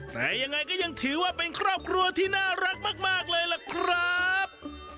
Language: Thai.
แต่ยังไงก็ยังถือว่าเป็นครอบครัวที่น่ารักมากเลยล่ะครับ